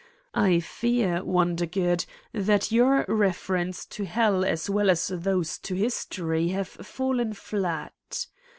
I fear, Wondergood, that your references to hell as well as those to history have fallen flat.